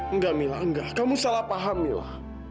enggak mila enggak kamu salah paham mila